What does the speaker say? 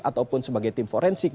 ataupun sebagai tim forensik